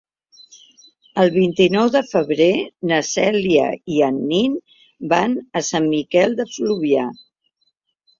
El vint-i-nou de febrer na Cèlia i en Nil van a Sant Miquel de Fluvià.